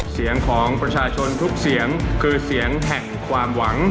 เสียงของประชาชนทุกเสียงคือเสียงแห่งความหวัง